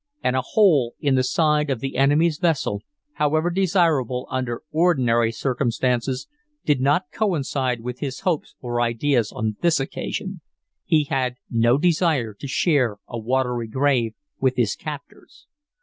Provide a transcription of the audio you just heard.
And a hole in the side of the enemy's vessel, however desirable under ordinary circumstances, did not coincide with his hopes or ideas on this occasion. He had no desire to share a watery grave with his captors.